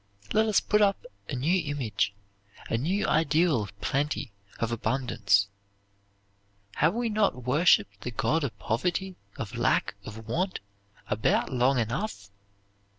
Let us put up a new image, a new ideal of plenty, of abundance. Have we not worshiped the God of poverty, of lack, of want, about long enough?